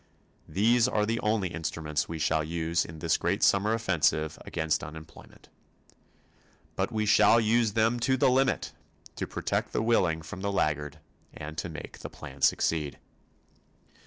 These are the only instruments we shall use in this great summer offensive against unemployment. But we shall use them to the limit to protect the willing from the laggard and to make the plan succeed.